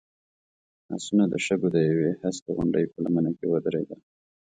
آسونه د شګو د يوې هسکې غونډۍ په لمنه کې ودرېدل.